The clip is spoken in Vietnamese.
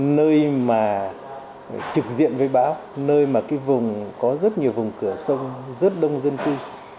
nơi mà trực diện với bão nơi mà cái vùng có rất nhiều vùng cửa sông rất đông dân cư